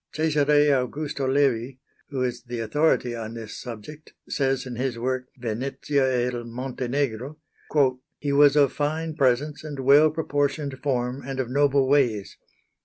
Cesare Augusto Levi, who is the authority on this subject, says, in his work "Venezia e il Montenegro": "He was of fine presence and well proportioned form and of noble ways.